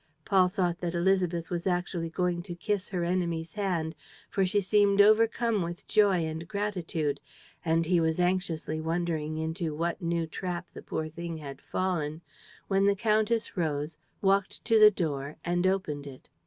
..." Paul thought that Élisabeth was actually going to kiss her enemy's hand, for she seemed overcome with joy and gratitude; and he was anxiously wondering into what new trap the poor thing had fallen, when the countess rose, walked to a door and opened it.